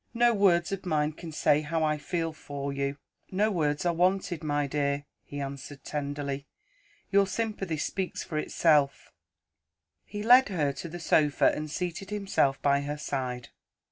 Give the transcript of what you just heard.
No words of mine can say how I feel for you." "No words are wanted, my dear," he answered tenderly. "Your sympathy speaks for itself." He led her to the sofa and seated himself by her side.